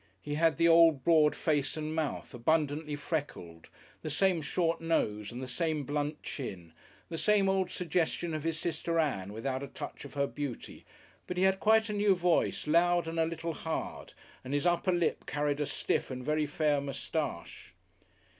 He had the old broad face and mouth, abundantly freckled, the same short nose, and the same blunt chin, the same odd suggestion of his sister Ann without a touch of her beauty; but he had quite a new voice, loud and a little hard, and his upper lip carried a stiff and very fair moustache.